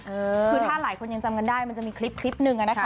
คือถ้าหลายคนยังจำกันได้มันจะมีคลิปคลิปหนึ่งอะนะคะ